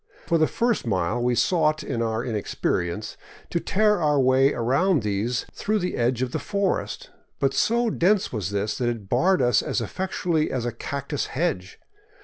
For the first mile we sought, in our inexperience, to tear our way around these through the edge of the forest. But so dense was this that it barred us as effectually as a cactus hedge.